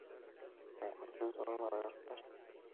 Se encuentra Solo en Madagascar.